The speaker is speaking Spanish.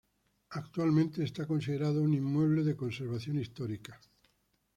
Actualmente es considerado un Inmueble de Conservación Histórica.